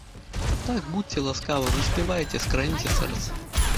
Так, будзьце ласкавы, заспявайце, скраніце сэрца.